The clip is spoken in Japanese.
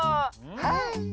はい。